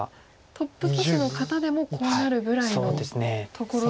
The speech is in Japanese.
トップ棋士の方でもこうなるぐらいのところという。